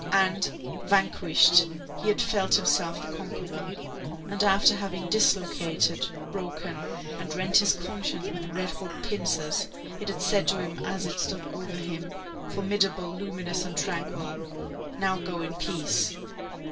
and, vanquished, he had felt himself the conqueror. And, after having dislocated, broken, and rent his conscience with red hot pincers, it had said to him, as it stood over him, formidable, luminous, and tranquil: "Now, go in peace!"